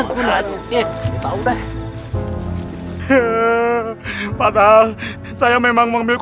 buat putri kembar